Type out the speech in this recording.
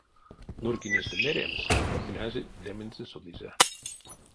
Нурькинестэ меремс, князенть лемензэ сюдызе.